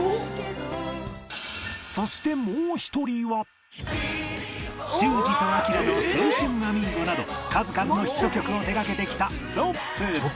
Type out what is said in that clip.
そしてもう１人は修二と彰の『青春アミーゴ』など数々のヒット曲を手がけてきた ｚｏｐｐ